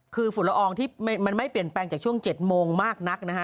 คือฝุ่นละอองที่มันไม่เปลี่ยนแปลงจากช่วง๗โมงมากนักนะฮะ